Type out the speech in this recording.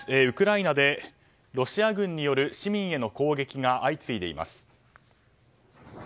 ウクライナでロシア軍による市民への攻撃が相次いでいます。